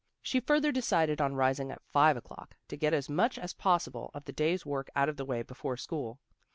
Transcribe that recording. She further decided on rising at five o'clock to get as much as possible of the day's work out of the way before school.